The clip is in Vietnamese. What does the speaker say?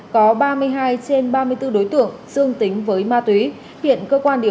có hay đi gì không